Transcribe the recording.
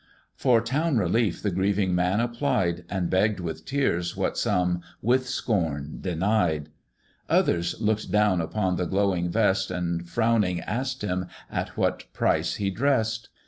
For town relief the grieving man applied, And begg'd with tears what some with scorn denied; Others look'd down upon the glowing vest, And frowning, ask'd him at what price he dress'd?